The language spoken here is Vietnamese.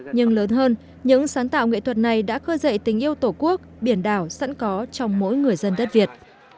nhưng lớn hơn những sáng tạo nghệ thuật này đã khơi dậy tình yêu tổ quốc biển đảo sẵn có trong mỗi người dân đất việt